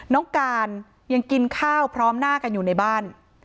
น้องการยังกินข้าวพร้อมหน้ากันอยู่ในบ้าน